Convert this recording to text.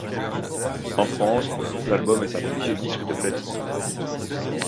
En France, l'album est certifié disque de platine.